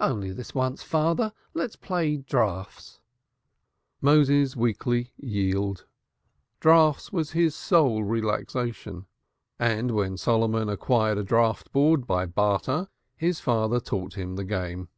"Only this once, father; let's play draughts." Moses weakly yielded. Draughts was his sole relaxation and when Solomon acquired a draught board by barter his father taught him the game.